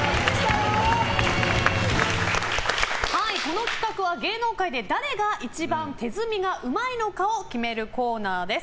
この企画は芸能界で誰が一番手積みがうまいのかを決めるコーナーです。